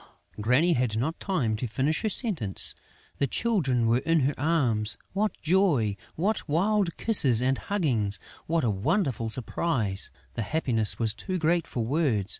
Granny had not time to finish her sentence. The Children were in her arms!... What joy! What wild kisses and huggings! What a wonderful surprise! The happiness was too great for words.